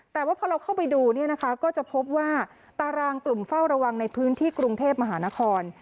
แต่ว่าพอเราเข้าไปดูเนี่ยนะคะก็จะพบว่าตารางกลุ่มเฝ้าระวังในพื้นที่กรุงเทพมหานคร